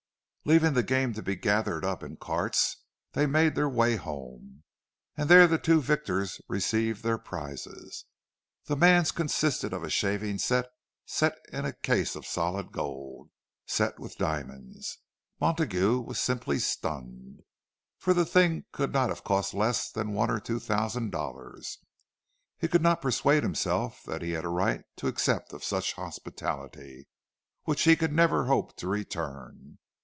Leaving the game to be gathered up in carts, they made their way home, and there the two victors received their prizes. The man's consisted of a shaving set in a case of solid gold, set with diamonds. Montague was simply stunned, for the thing could not have cost less than one or two thousand dollars. He could not persuade himself that he had a right to accept of such hospitality, which he could never hope to return.